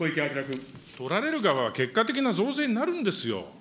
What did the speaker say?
取られる側は結果的な増税になるんですよ。